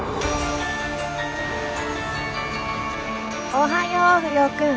おはよう不良くん！